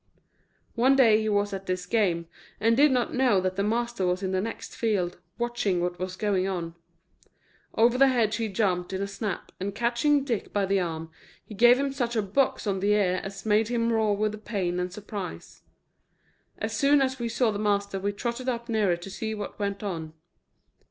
One day he was at this game, and did not know that the master was in the next field, watching what was going on; over the hedge he jumped in a snap, and catching Dick by the arm, he gave him such a box on the ear as made him roar with the pain and surprise. As soon as we saw the master we trotted up nearer to see what went on.